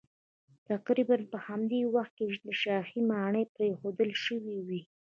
تقریبا په همدې وخت کې شاهي ماڼۍ پرېښودل شوې وې